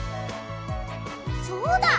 そうだ！